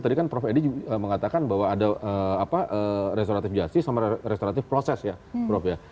tadi kan prof edi mengatakan bahwa ada restoratif justice sama restoratif proses ya prof ya